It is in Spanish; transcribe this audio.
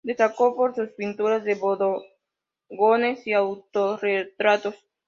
Destacó por sus pinturas de bodegones y autorretratos.